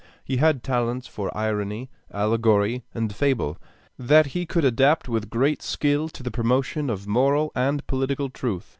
He had talents for irony, allegory, and fable, that he could adapt with great skill to the promotion of moral and political truth.